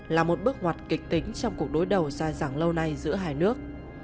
là một bước ngoặt kịch tính trong cuộc đối đầu dài dẳng lâu nay giữa hai nước